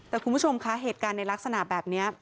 แต่คุณผู้ชมคะเหตุการณ์ในลักษณะแบบนี้